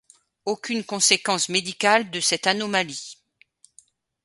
Aucune conséquence médicale de cette anomalie.